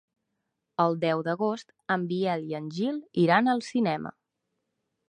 El deu d'agost en Biel i en Gil iran al cinema.